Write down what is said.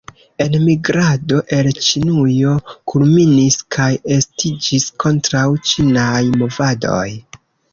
Enmigrado el Ĉinujo kulminis kaj estiĝis kontraŭ-ĉinaj movadoj.